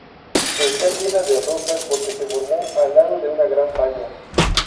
Está llena de rocas porque se formó al lado de una gran falla.